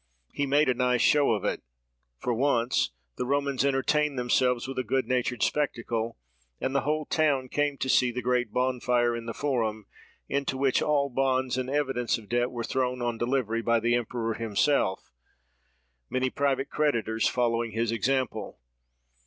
He made a nice show of it: for once, the Romans entertained themselves with a good natured spectacle, and the whole town came to see the great bonfire in the Forum, into which all bonds and evidence of debt were thrown on delivery, by the emperor himself; many private creditors following his example.